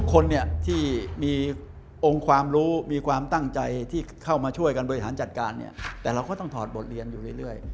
คนเนี่ยที่มีองค์ความรู้มีความตั้งใจที่เข้ามาช่วยกันบริหารจัดการเนี่ยแต่เราก็ต้องถอดบทเรียนอยู่เรื่อย